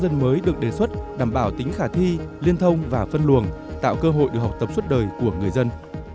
công dân mới được đề xuất đảm bảo tính khả thi liên thông và phân luồng tạo cơ hội được học tập suốt đời của người dân